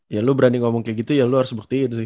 ya lu berani ngomong kayak gitu ya lu harus buktiin sih